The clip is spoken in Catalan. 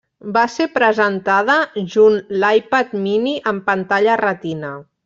Va ser presentada junt l'iPad Mini amb pantalla Retina.